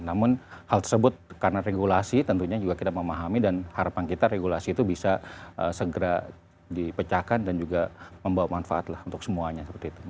namun hal tersebut karena regulasi tentunya juga kita memahami dan harapan kita regulasi itu bisa segera dipecahkan dan juga membawa manfaat lah untuk semuanya